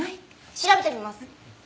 調べてみます。